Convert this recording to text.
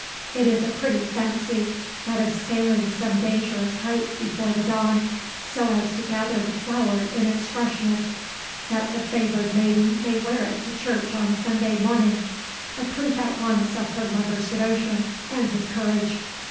It is a pretty fancy, that of scaling some dangerous height before the dawn, so as to gather the flower in its freshness, that the favored maiden may wear it to church on Sunday morning, a proof at once of her lover's devotion and his courage.